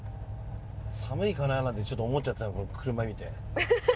寒いかななんてちょっと思っちゃってたこの車見て。